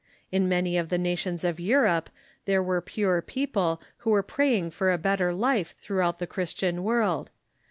In many of the nations of Europe there were pure people who were praying for a better life through out the Christian world.